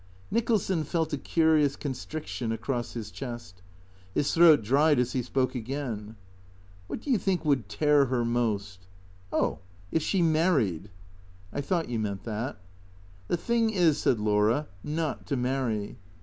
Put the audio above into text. Nicholson felt a curious constriction across his chest. His tnroat dried as he spoke again. " WTiat do you think would tear her most ?'*" Oh, if she married." " I thought you meant that." " The thing is," said Laura, " not to marry."